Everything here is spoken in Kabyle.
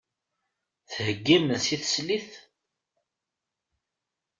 Thegga iman-is teslit?